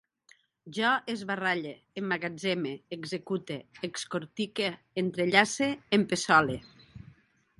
Jo esbarralle, emmagatzeme, execute, excortique, entrellace, empeçole